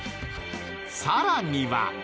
さらには。